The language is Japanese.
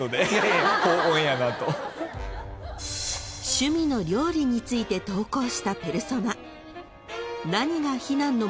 ［趣味の料理について投稿したペルソナ］